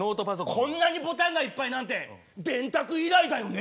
こんなにボタンがいっぱいなんて電卓以来だよね！